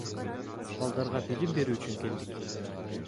Балдарга билим берүү үчүн келдик.